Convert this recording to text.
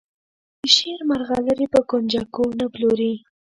د شعر مرغلرې په کونجکو نه پلوري.